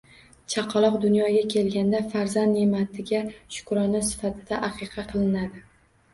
Chaqaloq dunyoga kelganda, farzand ne’matiga shukrona sifatida aqiqa qilinadi.